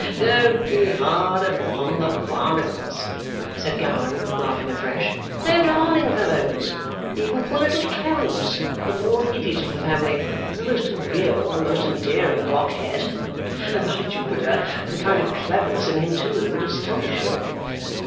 Don't be hard upon the Barnacles,' said Gowan, laughing afresh, 'they are darling fellows! Even poor little Clarence, the born idiot of the family, is the most agreeable and most endearing blockhead! And by Jupiter, with a kind of cleverness in him too that would astonish you!